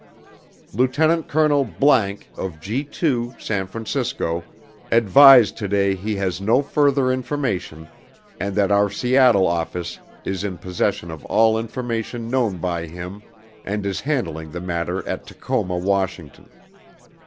LT. COL. ____ OF G2, SAN FRANCISCO, ADVISED TODAY HE HAS NO FURTHER INFORMATION AND THAT OUR SEATTLE OFFICE IS IN POSSESSION OF ALL INFORMATION KNOWN BY HIM AND IS HANDLING THE MATTER AT TACOMA, WASHINGTON.